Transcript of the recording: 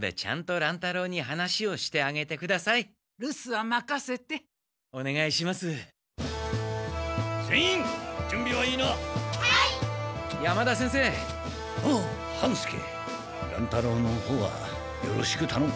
乱太郎のほうはよろしくたのむ。